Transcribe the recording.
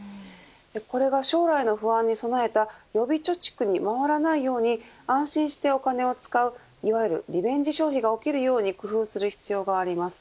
これが将来の不安に備えた予備貯蓄に回らないように安心してお金を使ういわゆるリベンジ消費が起きるように工夫する必要があります。